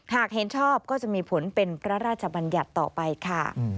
หากเห็นชอบก็จะมีผลเป็นพระราชบัญญัติต่อไปค่ะ